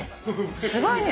すごいね。